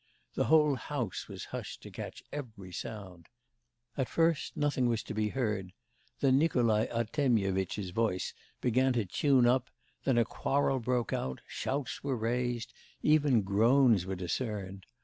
The whole house was hushed to catch every sound. At first nothing was to be heard; then Nikolai Artemyevitch's voice began to tune up, then a quarrel broke out, shouts were raised, even groans were discerned....